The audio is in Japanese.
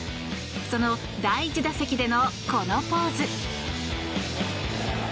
その第１打席での、このポーズ。